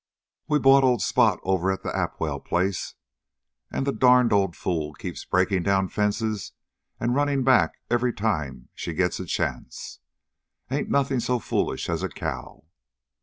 "We bought old Spot over at the Apwell place, and the darned old fool keeps breaking down fences and running back every time she gets a chance. Ain't nothing so foolish as a cow."